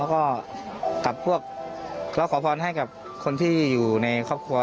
แล้วก็กับพวกเราขอพรให้กับคนที่อยู่ในครอบครัว